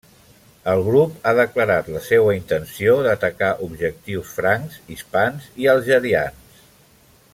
El grup ha declarat la seua intenció d'atacar objectius francs, hispans i algerians.